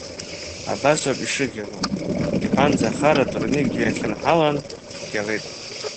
Абас ауп ишыгьало, — иҳәан Захар атурник дҩахьынҳалан, дгьалеит.